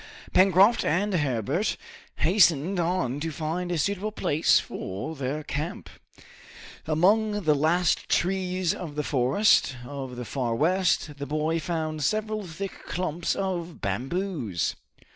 Pencroft and Herbert hastened on to find a suitable place for their camp. Among the last trees of the forest of the Far West, the boy found several thick clumps of bamboos.